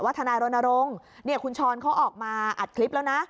ว่าธนายโรนโรงคุณช้อนเขาออกมาอัดคลิปแล้วนะ